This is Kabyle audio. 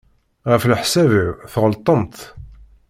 Ɣef leḥsab-iw tɣelṭemt.